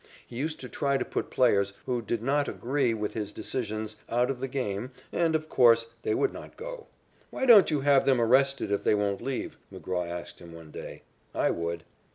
He used to try to put players who did not agree with his decisions out of the game and, of course, they would not go. "Why don't you have them arrested if they won't leave?" McGraw asked him one day. "I would."